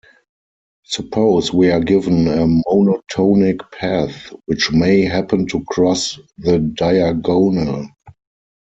Suppose we are given a monotonic path, which may happen to cross the diagonal.